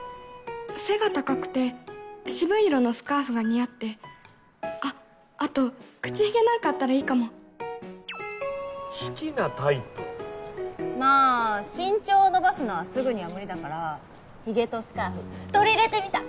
背が高くて渋い色のスカーフが似合ってあっあと口ひげなんかあったらいいかも好きなタイプまぁ身長を伸ばすのはすぐには無理だからひげとスカーフ取り入れてみた！